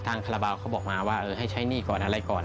คาราบาลเขาบอกมาว่าให้ใช้หนี้ก่อนอะไรก่อน